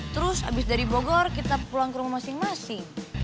terus habis dari bogor kita pulang ke rumah masing masing